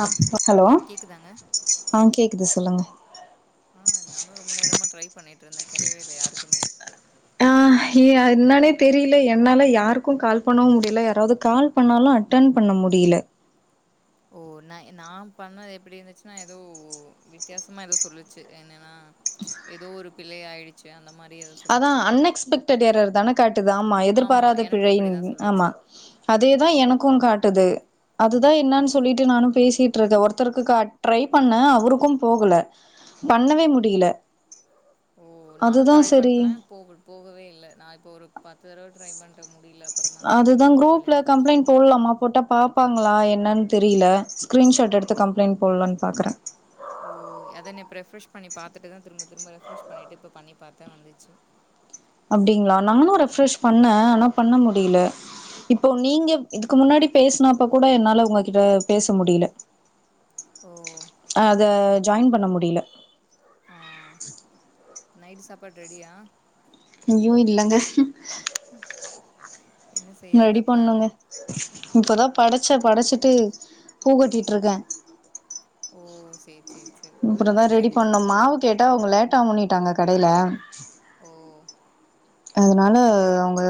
ஆ hello கேக்குதாங்க ஆ கேக்குது சொல்லுங்க ஆ நானும் ரொம்ப நேரமா ட்ரை பண்ணிட்டு இருந்தே கேட்கவே இல்ல யாருக்குமே ஆ என்னனே தெரியல என்னால யாருக்கும் கால் பண்ணவும் முடியல யாராவது கால் பண்ணாலும் அட்டன் பண்ண முடியல ஓ ந நா பண்ணா எப்டி இருந்துச்சுன்னா ஏதோ வித்தியாசமா ஏதோ சொல்லுச்சு என்னன்னா ஏதோ ஒரு பிழை ஆயிடுச்சு அந்த மாரி ஏதோ அதா சொல்லுச்சு அன்எக்ஸ்பெக்டட் ஏரர் தான காட்டுது ஆமா எதிர்பாராத எனக்கு பிழைன் அப்டிதா ஆமா சொல்லுச்சு அதே தா எனக்கும் காட்டுது அதுதா என்னன்னு சொல்லிட்டு நானும் பேசிட்டு இருக்கே ஒருத்தருக்கு கா ட்ரை பண்ண அவருக்கும் போகல பண்ணவே முடியல ஓ நானும் அதுதா ட்ரை சரி பண்ண போக போகவே இல்ல நா இப்போ ஒரு பத்து தடவ ட்ரை பண்ட்ட முடியல அப்புறந்தா சேரி இப்ப ஒரு வழியா வந்துச்சு போட்லாமா போட்டா பாப்பாங்களா என்னன்னு தெரியல ஸ்கிரீன்ஷாட் எடுத்து கம்ப்ளைண்ட் போட்லான் பாக்குற ஓ அதை இப்ப ஃப்ரெஷ் பண்ணி பாத்துட்டுதா திரும்ப திரும்ப ரெஃப்ரஷ் பண்ணிட்டு இப்போ பண்ணி பாத்த வந்துச்சு அப்டிங்களா நானும் ரெஃப்ரெஷ் பண்ண ஆனா பண்ண முடியல இப்போ நீங்க இதுக்கு முன்னாடி பேசுனப்ப கூட என்னால உங்ககிட்ட பேச முடியல ஓ அத ஓகே ஓகே ஜாயின் பண்ண முடியல ஆ நைட்டு சாப்பாடு ரெடியா ஐயோ இல்லங்க என்ன செய்யறதா ரெடி பிளானு பண்ணுங்க இப்பதா படச்ச படச்சிட்டு பூ கட்டிட்டு இருக்க ஓ சேர் சேர் அப்புறதா ரெடி பண்ணு மாவு கேட்டா அவுங்க லேட்டா ஆவுனிட்டாங்க கடையில ஓ அதனால அவுங்க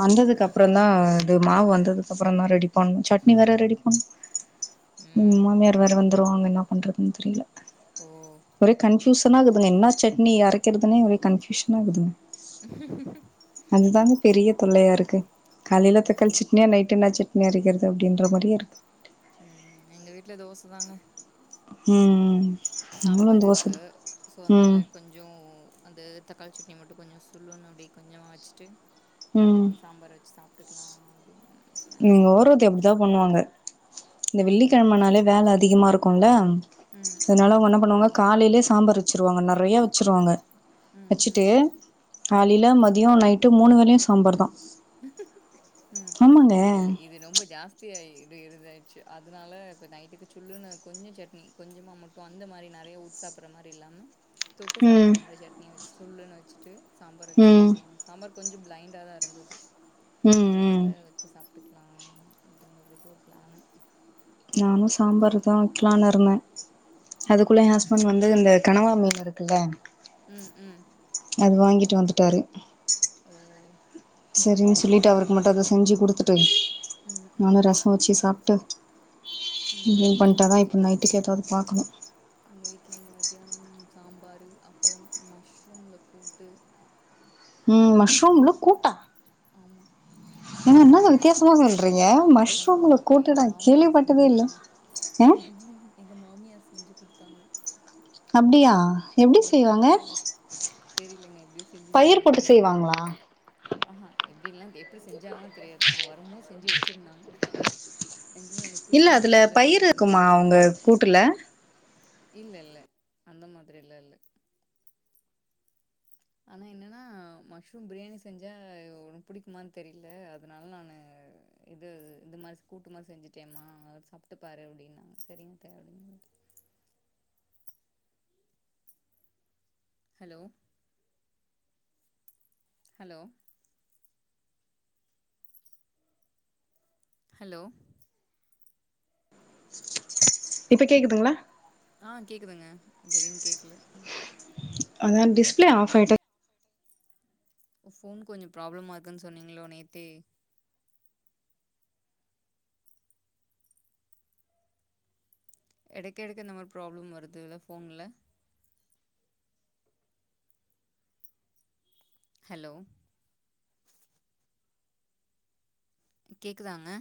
வந்ததுக்கப்புறந்தா இது மாவு வந்ததுக்கு அப்புறம் தா ரெடி பண்ணும் சட்னி வேற ரெடி பண்ணும் ம் மாமியார் வேற வந்துருவாங்க என்ன பண்றதுன் தெரியல ஓ ஒரே கன்ஃபியூசனா இக்குதுங்க என்ன சட்னி அரைக்கிறதுனே ஒரே கன்ஃபியூஷனாக்குதுங்க அதாங்க பெரிய தொல்லையா இருக்கு காலையில தக்காளி ம் சட்னியா நைட்டு என்ன சட்னி அரைக்கிறது அப்படின்ற மாரியே இருக்கு உம் எங்க வீட்ல தோச தாங்க ம் ம் சாம்பார் இருக்கு சோ ம் அத்னால கொஞ் சொ அந்த தக்காளி சட்னி மட்டு கொஞ்சொ சுல்லுனு அப்டியே கொஞ்சொ வச்ட்டு ம் சாம்பார் வெச்சு சாப்ட்டுக்கலா அப்டின் எங்க ஓரவத்தி அப்டிதா பண்ணுவாங்க இந்த ம் வெள்ளிக்கிழமனாலே வேல அதிகமா இருக்குல ம் அதனால ம் அவங்க ன்ன பண்ணுவாங்க காலைலே சாம்பார் வெச்சிருவாங்க நறைய வச் சிருவாங்க ம் ம் வெச்சுட்டு காலைல மதியொ நைட்டு மூணு வேலையு சாம்பார்தா இல்லல்ல ஏப் இது ரொம்ப ஜாஸ்தி ஆயி இது இதுவாயிடுச்சு அதனால இப்ப நைட்டுக்கு சுல்லுனு கொஞ்சொ சட்னி கொஞ்சமா மட் ப்ப அந்த மாறி நறைய ஊத்தி சாப்பற மாறி இல்லாம தொட்டு ம் சாப்புட்ற மாறி சட்னி வெச்சு சுல்லுனு வெச்சிட்டு சாம்பார் வெச்சு ம் அ சாம்பார் கொஞ்ச பிளைண்டாதா இருந்தது ம் அதனால ம் வெச்சு சாப்ட்டுக்லா அப்டின் சொல்லிட்டு ஒரு பிளானு நானு சாம்பார்தா வெக்கலான் இருந்த ம். அதுக்குள்ள ஏ ஹஸ்பண்ட் வந்து இந்த கனவா மீன் இருக்குல ம், ம். அது வாங்கிட்டு வந்துட்டாரு ஓ சரின் சொல்லிட்டு அவருக்கு மட்டு அத செஞ்சு குடுத்துட்டு ம், ம். நானு ரசொ வச்சு சாப்ட்டு ம். இனிமேல் எங்க பண்ணிட்டாதா இப்ப வீட்ல நைட்டுக்கு எதாவது பாக்கணு எங்க வீட்ல இங்க மத்தியானம் சாம்பாரு அப்பளம் மஷ்ரூம்ல கூட்டு ம் அப்புறம் மஷ்ரூம்ல கூட்டா ஆமா ஏங்க என்னாங்க வித்தியாசமா சொல்றீங்க எங்க மஷ்ரூம்ல மாம் கூட்டு எங்க நா மாமியார் கேள்விப்பட்டதே இல்ல செஞ்சாங்க அ எங்க மாமி எங்க மாமியார் செஞ்சு குடுத்தாங்க அப்டியா எப்டி ஆமா செய்வாங்க நல்லா இருந்துச்சு தெரியலங்க எப்டியோ பயிர் செஞ்சிருந்தாங்க போட்டு பட் நா செய்வாங்களா ஆ ஹா எப்டில்லா தெ எப்டி செஞ்சாங்கலா தெரியாது நா வரும்போ செஞ்சு வெச்சிருந்தாங்க இல்ல அதுல ரஞ் பயிரு இருக்குமா அவங்க கூட்டுல இல்லல்ல அந்த மாதிரிலா இல்ல ஆனா என்னனா மஷ்ரூம் பிரியாணி செஞ்சா உனக்கு புடிக்குமான் தெரில அதனால நானு இது இந்த மாரி கூட்டுமாரி செஞ்சுட்டேமா சாப்ட்டுப்பாரு அப்டினாங்க சரிங்த்தே அப்டின்னு சொல்ட்டு ஹலோ ஹலோ ஹலோ இப்ப கேக்குதுங்களா ஆ கேட்குதுங்க தீடீர்ன் கேக்ல அதான் டிஸ்பிளே ஆஃப் ஆயிட்டு ஓ ஃபோன் கொஞ்சொ ப்ராப்ளமா இருக்குன் சொன்னீங்களோ நேத்தே எடைக்க எடைக்க இந்த மாறி ப்ராப்ளம் வருதுல ஃபோன்ல ஹலோ கேக்குதாங்க